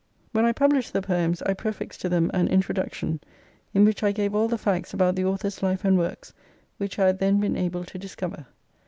" When I published the poems I prefixed to them an introduction in which I gave all the facts about the author's life and works which I had then been able to discover.